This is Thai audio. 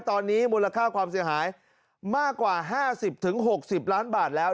ตอนนี้มูลค่าความเสียหายมากกว่า๕๐๖๐ล้านบาทแล้ว